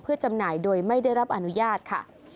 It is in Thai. เพื่อจำหน่ายโดยไม่ได้รับอนุญาตค่ะ